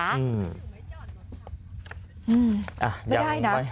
ไม่ได้นะ